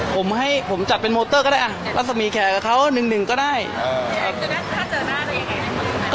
คุณเจอหน้าอย่างไงคะ